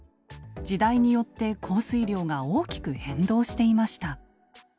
時代によって降水量が大きく変動していました。